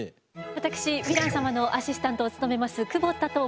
私ヴィラン様のアシスタントを務めます久保田と申します。